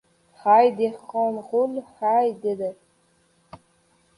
— Hay, Dehqonqul, hay! — dedi.